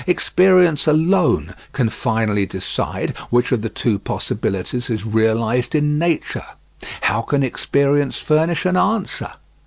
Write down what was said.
Experience alone can finally decide which of the two possibilities is realised in nature. How can experience furnish an answer?